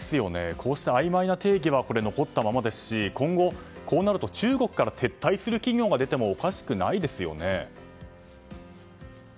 こうした、あいまいな定義は残ったままですし今後、こうなると中国から撤退する企業が出てもおかしくないですよね。